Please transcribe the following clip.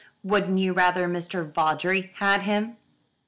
"Wouldn't you rather Mr. Vawdrey had him?"